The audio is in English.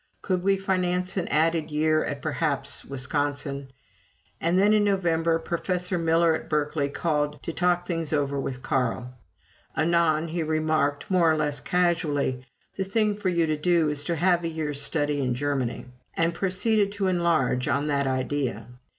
Could we finance an added year at, perhaps, Wisconsin? And then, in November, Professor Miller of Berkeley called to talk things over with Carl. Anon he remarked, more or less casually, "The thing for you to do is to have a year's study in Germany," and proceeded to enlarge on that idea.